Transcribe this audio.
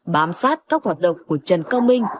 bám sát các hoạt động của trần cao minh